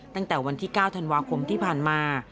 ตั้งแต่วันที่๙ธันวาคมที่ผ่านมา